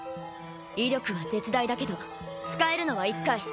威力は絶大だけど使えるのは１回。